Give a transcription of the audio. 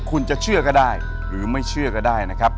คุณจะเชื่อก็ได้หรือไม่เชื่อก็ได้นะครับ